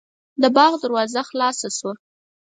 د باغ دروازه خلاصه شوه.